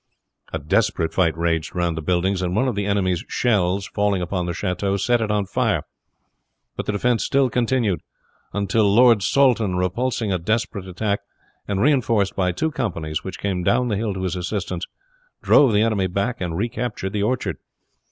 A desperate fight raged round the buildings, and one of the enemy's shells falling upon the chateau set it on fire. But the defense still continued, until Lord Saltoun, repulsing a desperate attack, and reinforced by two companies which came down the hill to his assistance, drove the enemy back and recaptured the orchard.